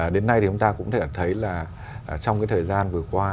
đến nay chúng ta cũng thấy là trong thời gian vừa qua